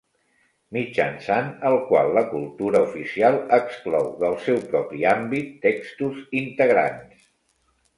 Mitjançant el qual la cultura oficial exclou, del seu propi àmbit, textos integrants.